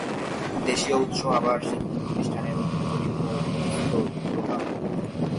দেশিয় উৎস আবার শিল্প প্রতিষ্ঠানের অভ্যন্তরীণ ও বহিস্থ দু প্রকার।